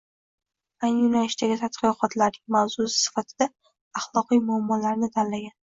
Ayni yo‘nalishdagi tadqiqotlarining mavzusi sifatida axloqiy muammolarni tanlagan